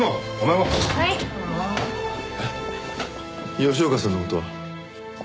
吉岡さんの事は？